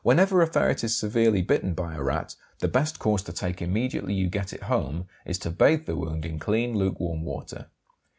Whenever a ferret is severely bitten by a Rat the best course to take immediately you get it home is to bathe the wound in clean luke warm water.